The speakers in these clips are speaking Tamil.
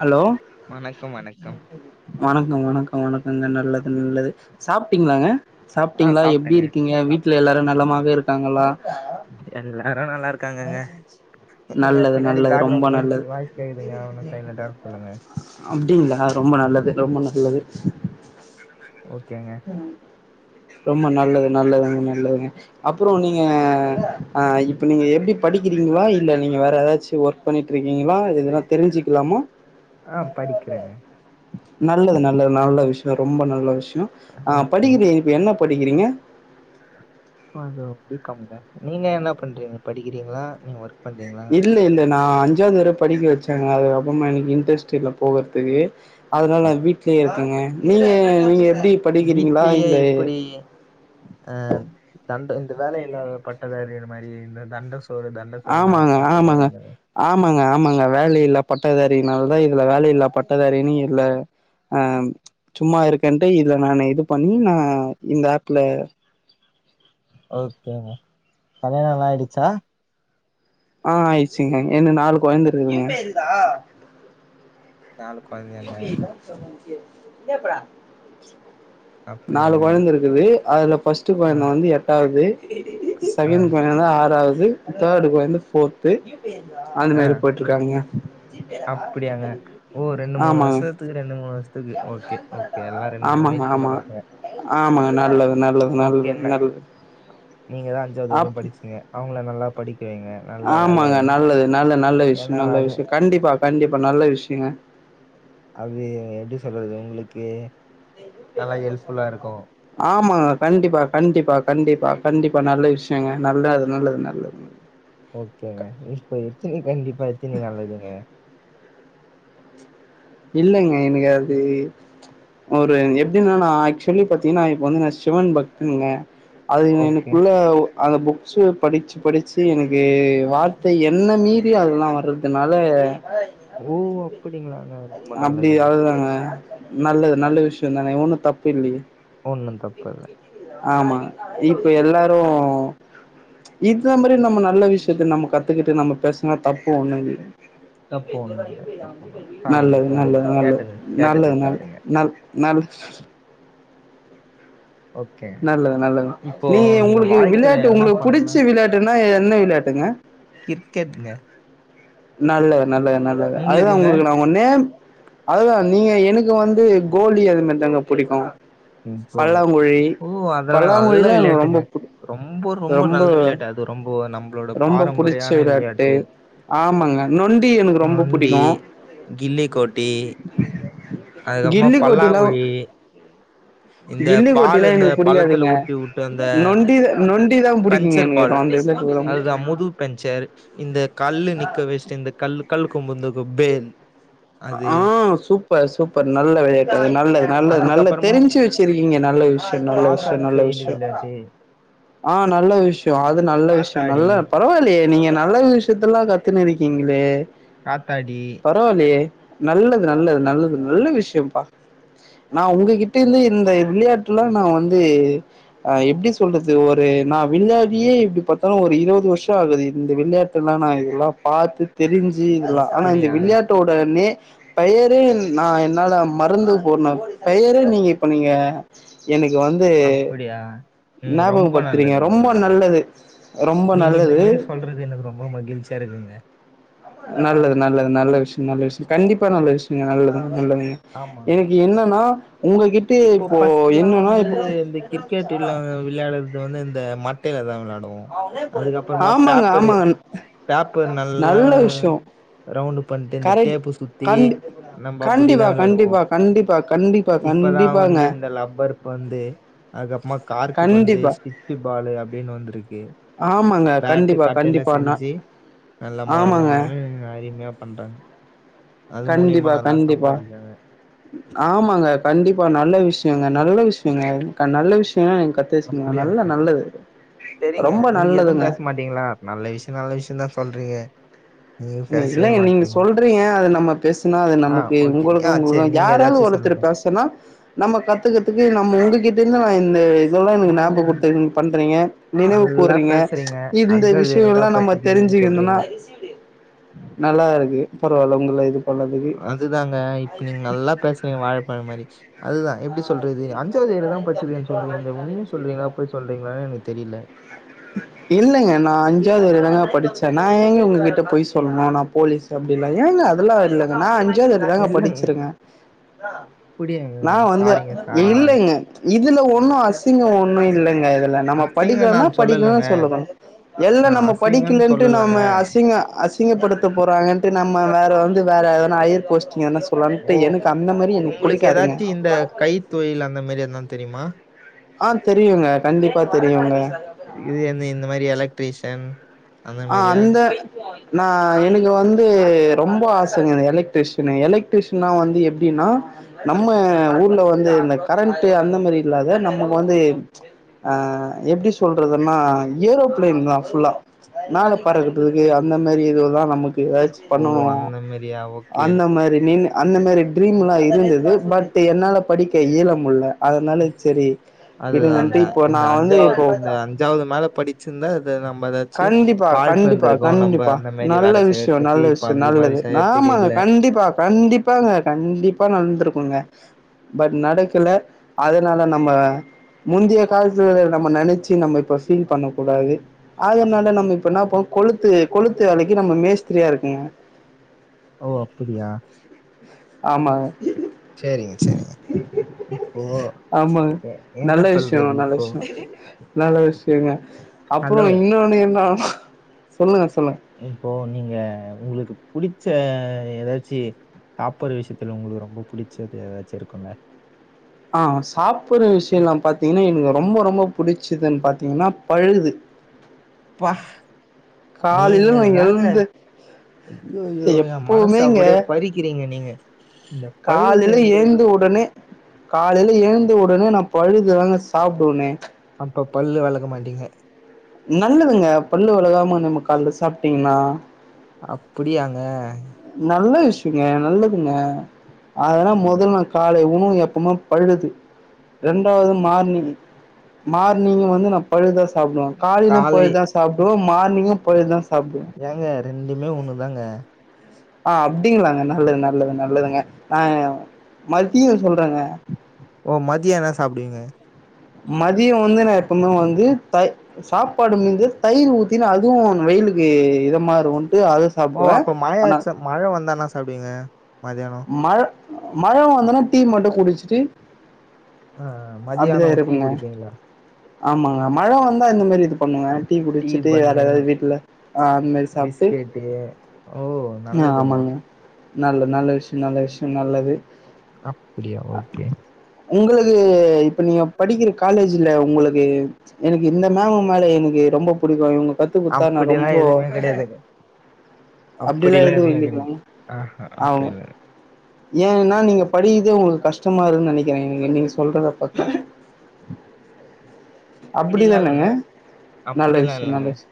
ஹலோ. வணக்கம் வணக்கம் வணக்கோ, வணக்கோ வணக்கோ. அந்த நல்லது, நல்லது சாப்டீங்களாங்க. ஆ சாப்பிட்டிங்களா, எப்படி சாப்ட்டேங்க இருக்கீங்க வீட்டு. ட்ல எல்லாரு நலமாவே இருக்காங்களா எல்லப் எல்லா நல்லா இருக்காங்கங்க எங்க நல்லது பின்னாடி நல்லது ரொம்ப பேக்ரவுண்ட் பய்ஸ் நல்லது வாய்ஸ் கேக்குதுங்க உங்க சைலட் ஆஃப் பண்ணுங்க அப்டிங்களா ரொம்ப நல்லது ரொம்ப நல்லது ஓகேங்க ரொம்ப நல்லது நல்லதுங்க நல்லதுங்க அப்புறோ நீங்க ஆ இப்ப நீங்க எப்டி படிக்கிறீங்களா இல்ல நீங்க வேற ஏதாச்சு ஒர்க் பண்ணிட்டு இருக்கீங்களா இதென்னா தெரிஞ்சுக்கலாமா ஆ படிக்கிறேங்க நல்லது நல்லது நல்ல விஷய தா ரொம்ப நல்ல விஷய ஆ ஓகே படிக்கிறே என்ன படிக்கிறீங்க அது பி காம் ங்க நீங்க என்ன பண்றீங்க படிக்கிறீங்களா நீங் ஒர்க் பண்றீங்களா இல்ல இல்ல நா அஞ்சாவது வர படிக்க வச்சேங்க அதுக்கப் ப்றமா எனக்கு இன்ட்ரஸ்ட் இல்ல போகறதுக்கு அதனால அப் வீட்லயே இருக்குங்க நீங்க நீங்க எப்டி படிக்கிறீங்களா வீட்லயே இல்ல எப்படி அ தண்ட இந்த வேல இல்லாத பட்டதாரிறு மாரி தண்ட சோறு தண்ட சோறு நாங்க ஆமாங்க அப்பா சொல்லுவாரு ஆமாங்க அந்த மாரி ஆமாங்க ஆமாங்க வேல இல்லா பட்டதாரினால தா இதுல வேல இல்லா பட்ட அதுஅறினு இல்ல ஆ சும்மா இருக்கேன்ட்டு இதுல நானு இது பண்ணி நா இந்த ஆப்ல ஓகேங்க கல்யாணோலா ஆயிடுச்சா ஆ ஆயிடுச்சுங்க இன்னு எனக் நாலு நாளூ கொழந்த கொழந்தருக்குங்க இருக்குங்க நாலு கொழந்தையாங்க [inaudible] எப்றா [unintelligible] நாலு அப்டியாங்க கொழந்த இருக்குது அதுல ஃபஸ்ட் ஆ கொழந்த வந்து எட்டாவது ஆ செகண்ட் கொழந்த ஆறாவது தேர்டு கொழந்த ஃபோர்த்து அந்த ஆ மாரி போயிட்டு இருக்காங்க அப்டியாங்க ரெண்டு மூணூ ஆமாங்க வருஷத்துக்கு ரெண்டு முணூ டுத்தது ஓகே ஓகே எல்லா ரெண்டு மூணு ஆமாங்க வயசு சின்ன ஆமா பசங்க ஆமாங்க நல்லது நல்லது நல்லது நல்லது நீங்கதா அஞ்சாவது அப் வரையு படிச்சிங்க அவுங் நல்லா படிக் ஆமாங்க நல்லது நல்ல நல்ல விஷயோ ஏன்னா நல்ல அது விஷயோ கண்டிப்பா கண்டிப்பா நல்ல விஷயோ சரிங்க அது எப்டி சொல்றது உங்களுக்கு நல்லா ஹெல்ப்ஃபுல்லா இருக்கு ஆம் மா கண்டிப்பா கண்டிப்பா கண்டிப்பா கண்டிப்பா நல்ல விஷயங்க நல்ல அது நல்லது நல்லது ஓகேங்க இப்பயத்தி கண்டிப் இப்பத்தினி நல்லதுங்க இல்லைங்க எனக்கு அது ஒரு எப்டின்னா நா ஆக்சுவலி பாத்தீங்கன்னா இப்ப வந்து நா சிவன் பக்தங்க அது ஓகே எனக்குள்ள அந்த புக்ஸ்சு படிச்சு படிச்சு எனக்கு வார்த்தை என்ன மீறி அதெல்லா வர்றதுனால ஓ அப்படிங்களாங்க ரொம்ப அப்டி நல்லதுங்க அதுதாங்க நல்லது நல்ல விஷய தானே ஒண்ணு தப்பு இல்லையே ஒன்னும் தப்பு இல்ல [inaudible] ஆமா இப்ப எல்லாரு இந்த மாரி நம்ம நல்ல விஷயத்த நம்ம கத்துக்கிட்டு நம்ம பேசுனா தப்பு ஒண்ணு [unintelligible] தப்பு ஒன்னும் இல்ல தப்பு ஒன்னும் இல்ல சாரிங்க நல்லது சாரிங்க நல்லது நல்லது கேட்டது கேட்டது நல்லது சாரிங்க நல்ல ந நல் ஓகே நல்லது நல்லது இப்போ நீ நீங்க உங்களுக்கு வாழ்க்கையில விளையாட்டு என்ன உங்களுக்கு புடிச்ச பண்ணணும் விளையாட்டுன்னா என் என்ன விளையாட்டுங்க கிரிக்கெட்ங்க நல்லது நல்லது நல்லது அதுதா உங்களுக்கு நா ஒன்னே அதுதா நீங்க உங்களுக்குங்க எனக்கு வந்து கோழி அது மாதிரி தாங்க பிடிக்கு ம், இப்போ பல்லாங்குழி ஓ அதெல்லாம் நல்ல பல்லாங்குழிலா எனக்கு விளையாட்டுங்க. ரொம்ப புடி ரொம்ப, ரொம்ப நல்ல விளையாட்டு அது ரொம்ப நம்மளோட ரொம்ப புடிச்ச பாரம்பரியான விளாட்டு விளையாட்டு. ஆமாங்க நொண்டி எனக் நொண்டி கில்லிக்கோட்டி கில்லி கோட்டிலா இந்த பால் எல்லுக்கோட்டில்லா இந்த எனக்கு பள்ளத்துல புடிக்காதுங்க உருட்டி உட்டு அந்த நொண்டி த நொண்டி தா புடிக்குங்க எனக்கு அந்த இத்துழ அதா முது பஞ்சர் இந்த கல்லு நிக்க வெச்ட் இந்த கல்லு கழுகொம்பந்த ஆ சூப்பர் சூப்பர் நல்ல விளையாட்டுது நல்லது நல்லது நல்ல அதுக்கப்புறமா தெரிஞ்சு வச்சு இருக்கீங்க நல்ல விஷயம் நல்ல பாஸ் ஆர் விஷயம் நல்ல ஃபெயில் விஷயம் விளையாட்டு. ஆஹ் நல்ல விஷயம் அ நல்ல விஷயம் காத்தாடி. நல்ல பரவில்லையே நீங்க நல்ல விஷயத்தல்லாம் கத்துன்னு இருக்கீங்களே காத்தாடி. பரவில்லையே நல்ல நல்லது நல்லது நல்ல விஷயம்ப்பா நா நான் உங்களுக்கு உங்ககிட்ட எப்டி இருந்து இந்த சொல்றது விளையாட்டுல்லாம் நான் வந்து அஹ் எப்படி சொல்றது இது ஒரு நான் விளையாடியே இப்படி பார்த்தாலும் ஒரு இருபது வருஷம் ஆகுது இந்த விளையாட்டுல்லாம் நான் இதெல்லாம் பார்த்து தெரிஞ் ஜி இதல்லா ஆனா இந்த அப்புடியா விளையாட்டோடனே பெயரு நா என்னால மறந்து போன பெயர நீங்க இப்ப நீங்க எனக்கு வந்து அப்படியா உம் ரொம்ப நல்லது ரொம்ப நல்லது ரொம்ப நீங்க இந்த நல்லது மாரி சொல்றது எனக்கு ரொம்ப மகிழ்ச்சியா இருக்குதுங்க நல்லது நல்லது நல்ல விஷயம் நல்ல விஷயம் கண்டிப்பா நல்ல விஷயங்க நல்லது நல்லதுங்க ஆமா எனக்கு என்னன்னா உங்ககிட்ட இப்போ பிரஸ்ட்லாம் என்னன்னா வந்து இப்ப இந்த கிரிக்கெட் விளையாடுறது வந்து இந்த மட்டையில தா விளையாடனு அதுக்கப்புறமா ஆமாங்க ஆமாங்க பேப்பரு-பேப்பரு நல்லா நல்ல விஷயோ ரவுண்டு பண்ட்டு இந்த கரெக்ட் டேப்பு சுத்தி கண்டி நம்ப அப்படி தா கண்டிப்பா விளாடுவோ கண்டிப்பா கண்டிப்பா கண்டிப்பா இப்பதா கண்டிப்பாங்க வந்து இந்த லப்பர் பந்து அதுக்கப்புறமா கார்கு வந்து கண்டிப்பா ஸ்டிச்சு பாலு அப்படின்னு வந்திருக்கு ஆமாங்க பேட்டு கண்டிப்பா கட்டையில கண்டிப்பானா செஞ்சு நல்லா மொழ மொழ ஆமாங்க மொழனு அருமையா பண்றாங்க அது மூலியமா கண்டிப்பா கண்டிப்பா சம்பாதிக்கிறாங்க ஆமாங்க கண்டிப்பா நல்ல விஷயங்க நல்ல விஷயங்க நல்ல விஷயலாம் நீங்க கத்து வச்சுகலா நல்ல நல்லது சரிங்க ரொம்ப நீங்க எதுவு நல்லதுங்க பேச மாட்டீங்களா நல்ல விஷய நல்ல விஷய தா சொல்றீங்க நீங்க பேசவே இல்லங்க நீங்க மாட்றீங்க சொல்றீங்க அது நம்ம பேசுனா அது ஆ நமக்கு ஓகே ஆ உங்களுக்கும் செரி உங்களுக்கும் நீங்க யாராவது ஏதாச்சும் ஒருத்தர் சொல்லுங்க பேசனா நம்ம கத்துக்கதுக்கு நம்ம உங்ககிட்ட இருந்து நா இந்த இதெல்லா ஓ எனக்கு ஞாபம் கொடுத்தத பண்றீங்க நினைவு நல்லா கூறீங்க பேசுறீங்க இந்த அஞ்சாவது விஷய வரையும் எல்லா தான் நம்ம படிச்சிருக்கீங்கன்னு தெரிஞ்சிக்கணும்னா சொல்றீங்க நல்லா இருக்கு பரவாயில்ல உங்கள இது [unintelligible] அதுதாங்க இப்ப நீங்க நல்லா பேசுறீங்க வாழப்பழ மாரி அதுதான் எப்படி சொல்றது அஞ்சாவது வரைக்கு தா படிச்சிருக்கீங்கன்னு சொல்றீங்களே உண்மைய சொல்றீங்களா பொய் சொல்றீங்களானே எனக்கு தெரில இல்லைங்க நா அஞ்சாவது வரைக்கு தாங்க படிச்சே நா ஏங்க உங்ககிட்ட பொய் சொல்லணு நா போலீஸ் அப்டிலா ஏங்க அதெல்லா இல்ல நா அஞ்சாவது வரைக்கு தாங்க இல்லங்க படிச்சிருக்க அப்டியாங்க நா வந்து சாரிங்க சாரிங்க இல்லைங்க இதுல ஒண்ணு அசிங்க ஒண்ணு இல்லைங்க இதுல நம்ம அசிங்க படிக்கலனா நான் படிக்கலனா சொல்லலங்க சொல்லனு எல்லா நான் நம்ம அசிங்கன்னு படிக்கலன்ட்டு சொல்லலங்க நாம அசிங்க அ சிங்கப்படுத்த போறாங்கண்ட்டு நா நாம வேற வந்து வேற எதனா யர் போஸ்ட் [inaudible] ஓ உங்களுக்கு ஏதாச்சும் இந்த கைத்தொழில் அந்த மாதிரி எ தெரியுமா ஆஹ் தெரியுங்க கண்டிப்பா இப்ப தெரியுங்க இது என்ன இந்த மாதிரி எல பிரிஷன் ஆஹ் அந்த ந எனக்கு வந்து ரொம்ப ஆசை எலக்ட்ரீஷன் எலக்ட்ரிஷியன் வந்து அப்படினா நம்ம ஊர்ல வந்து இந்த கரண்ட் அந்த மாதிரி இல்லாத நமக்கு வந்து ஆஹ் எப்படி சொல்றதுன்னா ஏரோபிளைன் தான் ஃபுல்லா நாளை பறக்கக்கு அந்த மாதிரி இதுல்லாம் நமக்கு ஏதாச்சும் ஓ! பண்ணணும் அந்த மாரியா? ஓகே. அந்த மாதிரின் அந்த மாதிரி ட்ரீம் எல்லாம் பட் என்னால படிக்க யலமுல அதனால சரி அதுதான் விடுங்கன்ட்டு அதான். இப்போ இந்த நான் வந்து இப்போ சின்ன ந்த கண்டிப்பா கண்டிப்பா நம்ப கண்டிப்பா அந்த மாரி நல்ல வேல விஷயம் செய்யறதுக்கு, நல்ல இப்ப விஷயம் அந்த மாரி நல்லது செய்யறதுக்கு இல்ல. ஆமாங்க கண்டிப்பா கண்டிப்பாங்க கண்டிப்பா நந்திருக்கும் ங்க பட் நடக்கல அதனால ஆமா. நம்ம முந்தைய காலத்து நம்ம நினைச்சு நம்ம இப்ப ஃபீல் பண்ண கூடாது அதனால நம்ம இப்பனாபோம் கொளுத்து கொளுத்து வேலைக்கு நம்ம மேஸ்திரியா இருக்குங்க ஓ அப்படியா ஆமா சரிங்க சரிங்க இப்போ ஆமாங்க. என்ன நல்ல சொல்றது இப்போ இருங்க ஹலோ அப்புறம் இன்னொன்னு என்ன சொல்லுங்க சொல்லுங்க இப்போ நீங்க உங்களுக்கு புிடிச்ச ஏதாச்சு சாப்பாடுற விஷயத்துல உங்களுக்கு ரொம்ப பிடிச்சது ஏதாச்சும் இருக்கும்ல ஆஹ் சாப்பிடுற விஷயம்ல்லாம் பாத்தீங்கன்னா எனக்கு ரொம்ப ரொம்ப புிடிச்சதுன்னு பாத்தீங்கன்னா பழுது ஹக கால இல்லை ந எழுந்து ஐயோ என் மனசு எப்பவுமே இங்க அப்படியே பறிக்கிறீங்க நீங்க இந்த காலையில பழுதுன்றது ஏழுந்து உடனே காலையில ஏழுந்த உடனே நான் பழுதுதாங்க சாப்பிடுவேனே அப்ப பல்லு வளர்க்க மாட்டீங்க நல்லதுங்க பல்லு வழகாம நம்ம கால் சாப்பிட்டீங்கனா அப்படியாங்க நல்ல விஷயங்க நல்லதுங்க அதனா முதல்ல நான் காலை உணவு எப்பவுமே பழுது இரண்டாவது மார்னிங் மார்னிங்க வந்து நான் பழுதுதான் சாப்பிடுவேன் காலையிலும் காலை பொழுதுதான் சாப்பிடுவோன் மார்னிங்கும் பொழுதுதான் சாப்பிடுவோன் ஏங்க ரெண்டுமே ஒண்ணுதாங்க ஆஹ் அப்படிங்களாங்க நல்லது நல்ல நல்லது நல்லதுங்க நா மத்தியும் சொல்றங்க ன சாப்பிடுவீங்க மது கீழ உழுந்து நா அப்பமா வந்து நான் சாப்பாடு மந்த தயிர் ஊ நா [inaudible] அதுவும் வெயிலுக்கு இதமா இருக்கும்ன்ட்டு அதுவும் சாப்பிடுவேன் ஆனா அப்படிங்க மழை மழை வந்தன்னா டீ மட்டு குடிச்சுட்டு ஆ அப்படிதான் மதியானம் டீ இருக்குங்க குடிப்பீங்களா ஆமாங்க மழை வந்தா அந்த மாதிரி இது பண்ணுங்க டீ குடிச்சுட்டு வேற எதாவது வீட்டுல ஆஹ் அந்த மாதிரி சாப்பிட்டு பிஸ்கெட்டு ஓ ஆஹ் நல்லதுங்க ஆமாங்க நல்ல நல்ல விஷய நல்ல விஷயம் நல்லது அப்படியா ஓகே உங்களுக்கு இப்ப நீங்க படிக்கிற காலேஜ் இல்ல உங்களுக்கு எனக்கு இந்த மேம் மேல எனக்கு ரொம்ப பிடிக்கும் இவங்க கத்து குடுத்தா நான் அப்டிலா ரொம்ப எதுவுமே கெடையாதுங்க அப்படியெல்லா அப்டிலா எது எதுவுமே இல்லைங்களா கெடையாது ஆஹா ஆங் அப்டிலா ஏன்னா நீங்க படிது உங்களுக்கு கஷ்டமா இருன்னு நினைக்கிறே நீங்க சொல்றத பாத்த அப்படிலாம் இல்லை அப்டிதானங்க நல்ல அப்படிலாம் விஷயோ இல்லைங்க நல்ல விஷயோ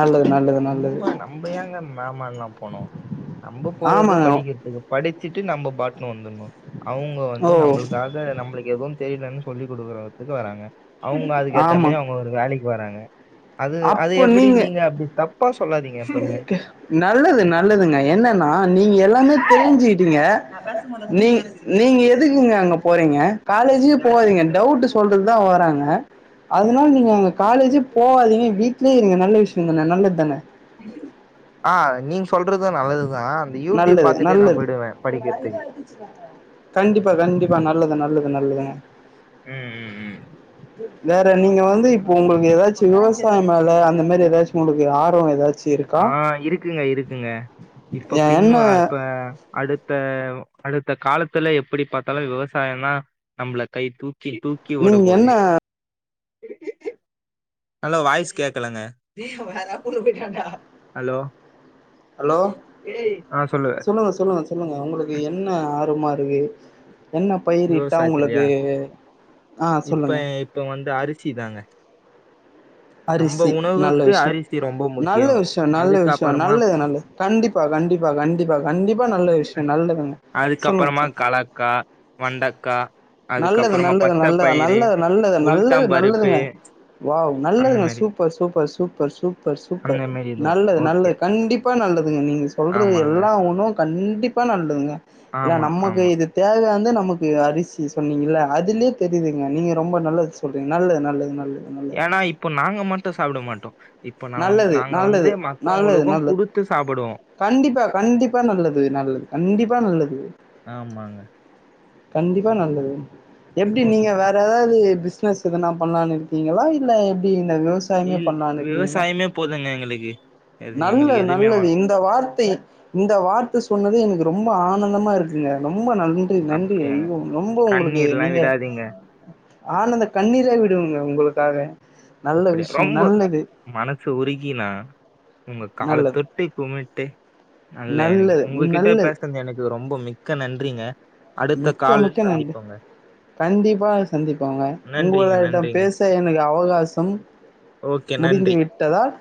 நல்லது நல்லது நல்லது நம்ம நம்ம ஏங்க மேமான்ல்லாம் போனோம் நம்மப போறது ஆமாங்க படிக்கிறதுக்கு படி சட்டு வந்துணும் அவங்க ஓ வந்து நம்மளுக்காக நம்மளுக்கு எதுவும் தெரியலன்னு சொல்லி் கொடுக்குறதுக்கு வராங்க அவங்க அது த்தே ஆமா அவங்க ஒரு வேலைக்கு வராங்க அது அது அப்போ எப்படி நீங்க அப்படி தப்பா சொல்லாதீங்க எப்பவுமே நல்லது நல்லதுங்க என்னன்னா நீங்க எல்லாமே தெரிஞ்சுட்டீங்க நீ நீங்க எதுக்குங்க அங்க போறீங்க காலேஜியெ போவாதீங்க டவுட் சொல்றதுதா வறாங்க அதனால நீங்க அங்க காலேஜு போவாதீங்க வீடலயே இருங்க நல்ல விஷய தானே நல்லதுதாங்க ஆஹ் நீங்க சொல்றது நல்லதுதான் அந்த யூடியூப் நல்லது பார்த்துட்டு நான் நல்லது போயிடுவேன் படிக்கிறதுக்கு கண்டிப்பா கண்டிப்பா நல்லது நல்ல நல்லது நல்லது ம் ம் ம் வேற நீங்க வந்து இப்போ உங்களுக்கு ஏதாச்சு விவசாயொ மேல அந்த மாதிரி ஏதாச்சும் உங்களுக்கு ஆர்வொ ஏதாச்சு இருக்கா இப்போ என்ன பின்ணுஅ இப்ப அடுத்த அடுத்த காலத்துல எப்படி பார்த்தாலும் விவசாயம்தான் நம்மள கை தூக்கி தக்கி தூக்கி ஓட நீங்க போது என்ன இ நல்ல வாய்ஸ் ஹலோ ஹலோ ஆ சொல்லு சொல்லுங்க சொல்லுங்க சொல்லுங்க உங்களுக்கு என்ன ஆவமாறு [unintelligible] என்ன பயிரிட்டா உங்களுக்கு விவசாயத்துலயா ஆஹ் சொல்லுங்க இப்ப இப்ப வந்து அரிசி தாங்க நம்ம அரிசி நல்ல உணவுக்கு விஷயம் அரிசி ரொம்ப நல்ல முக்கியம் விஷயம் நல்ல விஷயம் அதுக்கப்புறமா நல்லது நல்லது கண்டிப்பா கண்டிப்பா கண்டிப்பா கண்டிப்பா நல்ல விஷயம் நல்லதுங்க அதுக்கப்புறமா சொல்லுங்க கலக்கா வெண்டக்கா நல்லது அதுக்கப்புறமா நல்லது பச்ச நல்லதுா பயிறு நல்லது நல்லது நல்லது உளுத்தம் பருப்பு நல்லதுங்க அந்த நல்ல மாரி சூப்பர் சூப்பர் சுப்பர் சுப் சூப்பர் அந்த மாரி இது நல்லது ஓகே நல்லது கண்டிப்பா நல்லதுங்க நீங்க சொல்றது ஆமாங்க எல்லாம் ஒண்ணும் கண்டிப்பாக கண்டிப்பா நல்லதுங்க இல்ல ஆமா நமக்கு ஆமா இது தேவையான்து நம் நமக்கு அரிசி சொன்னீங்க அதுலயே தெரியுதுங்க நீங்க ரொம்ப நல்லது சொல்றீங்க நல்லது நல்லது நல்லது நல்லது ஏன்னா இப்போ நாங்க மட்டும் சாப்பிட மாட்டோம் [unintelligible] வந்து நல்லது நாங்க வந்து நல்லது நல்லது மத்தவங்களுக்கும் நல்லது குடுத்து சாப்பிடுவோம் கண்டிப்பா கண்டிப்பா நல்லது நல்லது கண்டிப்பா நல்லது ஆமாங்க கண்டிப்பா நல்லது எப்படி ஓ நீங்க வேற ஏதாவது பிசினஸ் எதுனா பண்ணலான்னு இருக்கீங்களா இல்ல எப்படி இந்த விவசாயமே பண்ணலான்னு இருக்கீ சாயமே போதுங்க எங்களுக்கு எது எங்களுக்கு நல்லது எதுவுமே நல்லது வேணா இந்த வார்த்தை இந்த வார்த்தை சொன்னது எனக்கு ரொம்ப ஆனந்தமா இருக்குங்க ரொம்ப நன்றி நன்றி அப்டியாங்க ஐயோ ரொம்ப உங்களுக்கு கண்ணீர்லா நீங்க விடாதீங்க ஆனந்த கண்ணீரை விடுவங்க உங்களுக்காக நல்ல அப்படியா விஷயம். ரொம்ப நல்லது மனசு உருக்கினா உங்க கால நல்லது தொட்டி குமிட்டு டெ நல்லது நல்லது எனக்கு ரொம்ப மிக்க நன்றிங்க அடுத்த மிக்க கால் மிக்க நன்றி சந்திப்போங்க கண்டிப்பா சந்திப்பங்க நன்றிங்க உங்களிட்டம் நன்றிங்க பேச எனக்கு அவகாச சம் ஓகே நன்றி முடிந்து விட்டதால்